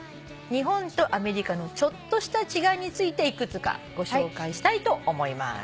「日本とアメリカのちょっとした違い」について幾つかご紹介したいと思います。